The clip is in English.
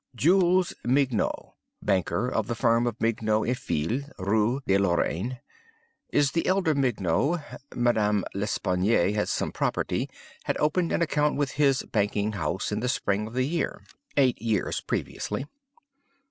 _' "Jules Mignaud, banker, of the firm of Mignaud et Fils, Rue Deloraine. Is the elder Mignaud. Madame L'Espanaye had some property. Had opened an account with his banking house in the spring of the year—(eight years previously).